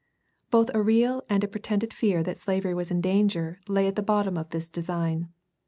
Both a real and a pretended fear that slavery was in danger lay at the bottom of this design.